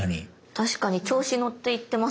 確かに調子乗って行ってます